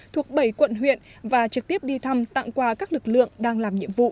thuộc bảy quận huyện và trực tiếp đi thăm tạm qua các lực lượng đang làm nhiệm vụ